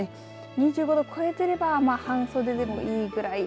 ２５度超えていれば半袖でもいいくらい。